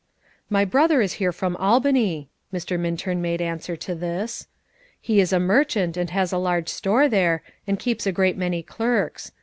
"My brother is here from Albany," Mr. Minturn made answer to this. "He is a merchant, has a large store there, and keeps a great many clerks.